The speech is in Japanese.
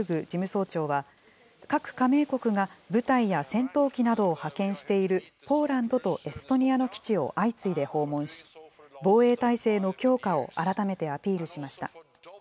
事務総長は、各加盟国が部隊や戦闘機などを派遣しているポーランドとエストニアの基地を相次いで訪問し、防衛態勢の強化を改めてアピールしました。